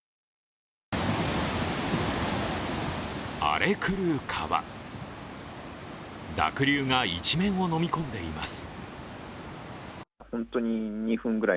荒れ狂う川、濁流が一面をのみ込んでいます。